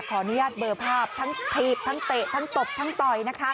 ขออนุญาตเบอร์ภาพทั้งถีบทั้งเตะทั้งตบทั้งต่อยนะคะ